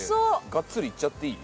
ガッツリいっちゃっていい？